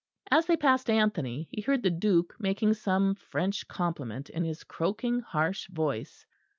As they passed Anthony he heard the Duke making some French compliment in his croaking harsh voice.